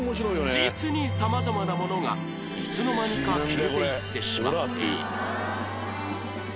実に様々なものがいつの間にか消えていってしまっている